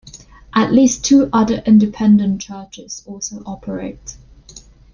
At least two other independent churches also operate.